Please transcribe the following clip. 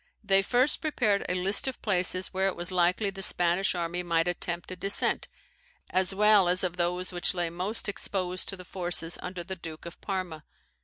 They first prepared a list of places where it was likely the Spanish army might attempt a descent, as well as of those which lay most exposed to the forces under the Duke of Parma.